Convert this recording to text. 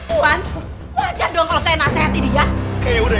kayaknya udah yang paling bener aja